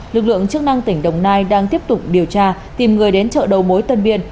lực lượng chức năng tỉnh đồng nai đang tiếp tục điều tra tìm người đến chợ đầu mối tân biên